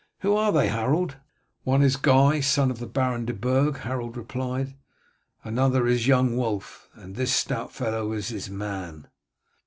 Who are they, Harold?" "One is Guy, son of the Baron de Burg," Harold replied. "Another is young Wulf, and this stout fellow is his man."